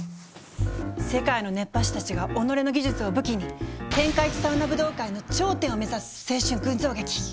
世界の熱波師たちが己の技術を武器に「天下一サウナ武道会」の頂点を目指す青春群像劇！